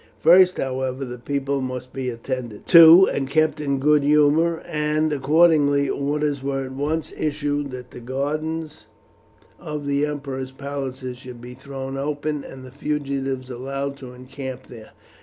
First, however, the people must be attended to and kept in good humour, and accordingly orders were at once issued that the gardens of the emperor's palaces should be thrown open, and the fugitives allowed to encamp there.